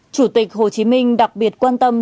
chủ tịch hồ chí minh đặc biệt quan tâm